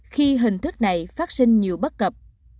khi hình thức này phát sinh nhiều bất cập